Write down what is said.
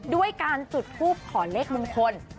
ด้วยการจุดทูปขอเลขมงคล